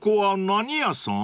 何屋さん？